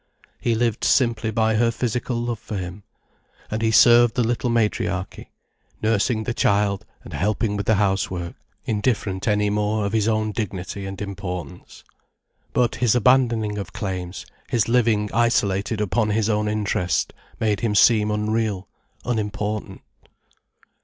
He lived simply by her physical love for him. And he served the little matriarchy, nursing the child and helping with the housework, indifferent any more of his own dignity and importance. But his abandoning of claims, his living isolated upon his own interest, made him seem unreal, unimportant.